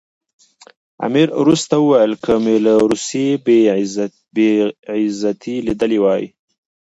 امیر وروسته وویل که مې له روسیې بې عزتي لیدلې وای.